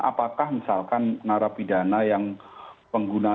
apakah misalkan narapidana yang pengguna